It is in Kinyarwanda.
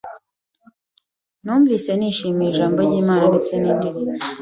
numvise nishimiye ijambo ry’Imana ndetse n’indirimbo